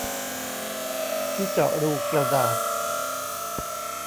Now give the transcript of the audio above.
ที่เจาะรูกระดาษ